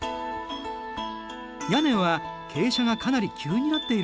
屋根は傾斜がかなり急になっているね。